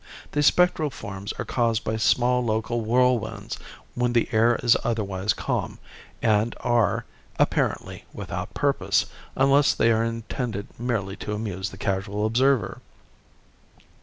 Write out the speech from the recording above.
These spectral forms are caused by small local whirlwinds when the air is otherwise calm, and are, apparently, without purpose, unless they are intended merely to amuse the casual observer.